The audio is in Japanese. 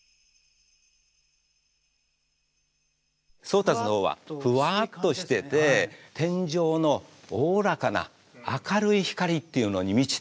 宗達のほうはふわっとしてて天上のおおらかな明るい光っていうのに満ちている。